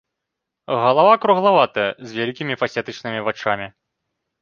Галава круглаватая з вялікімі фасетачнымі вачамі.